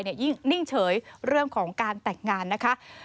ยิ่งนิ่งเฉยเรื่องของการแต่งงานนะคะ